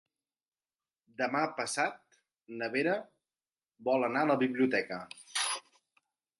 Demà passat na Vera vol anar a la biblioteca.